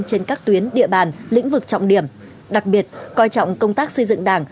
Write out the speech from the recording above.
trên các tuyến địa bàn lĩnh vực trọng điểm đặc biệt coi trọng công tác xây dựng đảng